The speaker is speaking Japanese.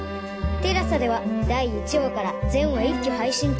ＴＥＬＡＳＡ では第１話から全話一挙配信中